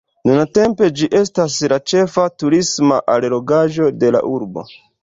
Nuntempe ĝi estas la ĉefa turisma allogaĵo de la urbo.